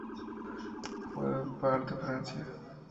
Fue par de Francia.